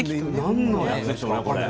何のやつでしょうね？